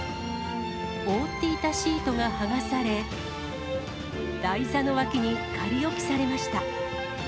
覆っていたシートが剥がされ、台座の脇に仮置きされました。